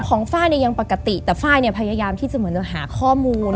ไฟล์เนี่ยยังปกติแต่ไฟล์เนี่ยพยายามที่จะเหมือนจะหาข้อมูล